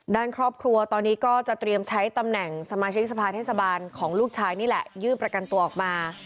ด้านครอบครัวตอนนี้ก็จะเตรียมใช้ตำแหน่งสมาชิกสภาเทศบาลของลูกชายนี่แหละยื่นประกันตัวออกมา